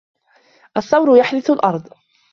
الثَّوْرُ يَحْرِثُ الْأرْضَ.